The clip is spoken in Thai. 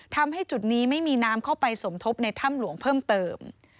ทำให้จุดนี้ไม่มีน้ำเข้าไปสมทบในถ้ำหลวงเพิ่มเติม